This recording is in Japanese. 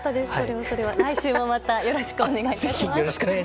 来週もよろしくお願いします。